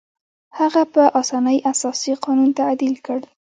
هغه په اسانۍ اساسي قانون تعدیل کړ.